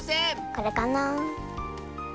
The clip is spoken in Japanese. これかな？